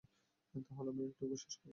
তাহলে আমি এটুকু শেষ করব।